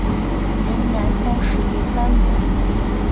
云南乡试第三名。